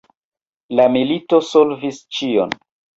La milito solvis ĉion.